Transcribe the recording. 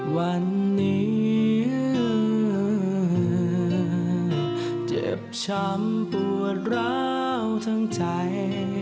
วันนี้เจ็บช้ำปวดร้าวทั้งใจ